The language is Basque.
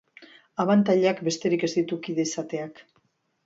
Abantailak besterik ez ditu kide izateak.